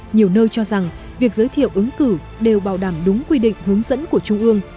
nhiều nơi cho rằng việc giới thiệu ứng cử đều bảo đảm đúng quy định hướng dẫn của trung ương